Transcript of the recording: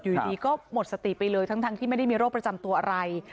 อยู่ดีก็หมดสติไปเลยทั้งที่ไม่ได้มีโรคประจำตัวอะไร